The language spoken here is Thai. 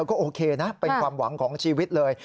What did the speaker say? ก็โอเคนะเป็นความหวังของชีวิตเลย